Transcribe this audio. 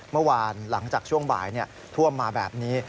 เมื่อวานหลังจากช่วงบ่ายท่วมมาแบบนี้